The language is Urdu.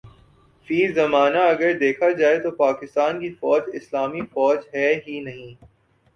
فی زمانہ اگر دیکھا جائے تو پاکستان کی فوج اسلامی فوج ہے ہی نہیں